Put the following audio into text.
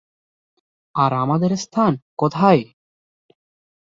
আর আমাদের স্থান কোথায়!